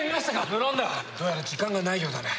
どうやら時間がないようだね。